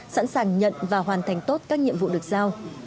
sẵn sàng nhận và hoàn thành tốt các nhiệm vụ được giao